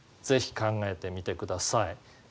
是非考えてみてください。